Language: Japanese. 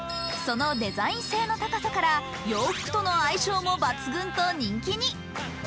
そのデザイン性の高さから洋服との相性も抜群と人気に。